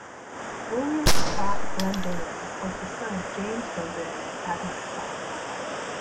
William Scott Glendinning was the son of James Glendinning and Agnes Scott.